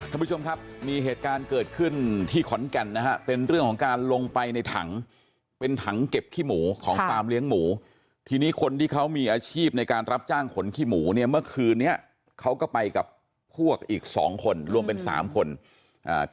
ท่านผู้ชมครับมีเหตุการณ์เกิดขึ้นที่ขอนแก่นนะฮะเป็นเรื่องของการลงไปในถังเป็นถังเก็บขี้หมูของฟาร์มเลี้ยงหมูทีนี้คนที่เขามีอาชีพในการรับจ้างขนขี้หมูเนี่ยเมื่อคืนเนี้ยเขาก็ไปกับพวกอีกสองคนรวมเป็นสามคนอ่า